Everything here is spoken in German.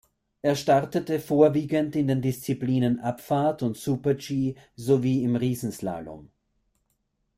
Er startete vorwiegend in den Disziplinen Abfahrt und Super-G sowie im Riesenslalom.